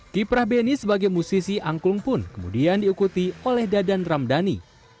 kiprah beni sebagai musisi angklung pun kemudian diikuti oleh dadan ramdhani